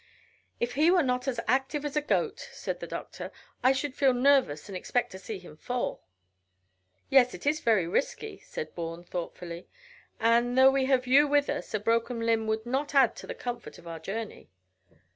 "If he were not as active as a goat," said the doctor, "I should feel nervous and expect to see him fall." "Yes, it is very risky," said Bourne thoughtfully, "and, though we have you with us, a broken limb would not add to the comfort of our journey."